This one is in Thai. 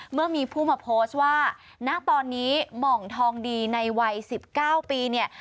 เมื่อมีผู้มาโพสต์ว่าณตอนนี้หม่องทองดีในวัย๑๙ปีเนี่ย